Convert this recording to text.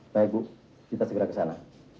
baik bu kita segera ke sana